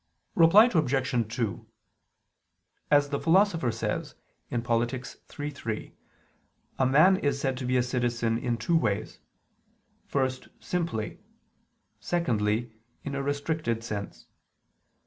Reply Obj. 2: As the Philosopher says (Polit. iii, 3), a man is said to be a citizen in two ways: first, simply; secondly, in a restricted sense.